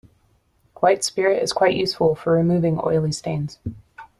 White spirit is quite useful for removing oily stains